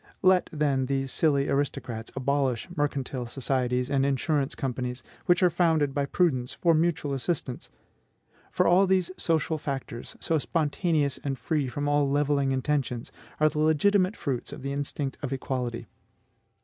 Let, then, these silly aristocrats abolish mercantile societies and insurance companies, which are founded by prudence for mutual assistance. For all these social facts, so spontaneous and free from all levelling intentions, are the legitimate fruits of the instinct of equality.